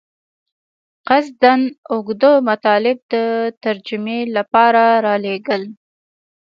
قصداً اوږده مطالب د ترجمې لپاره رالېږل.